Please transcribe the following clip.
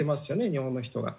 日本の人は。